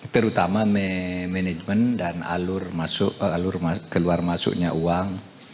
terutama manajemen dan alur keluar masuknya uang